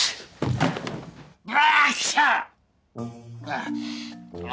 ああ。